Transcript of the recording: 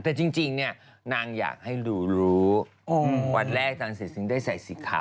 แต่จริงนางอยากให้รู้วันแรกตลอดเสร็จจริงได้ใส่สีขาว